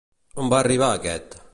On va arribar aquest?